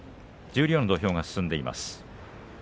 十両の土俵が進んでいます。